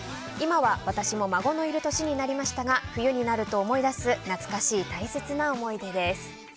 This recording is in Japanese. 今は私も孫のいる年になりましたが冬になると思い出す懐かしい、大切な思い出です。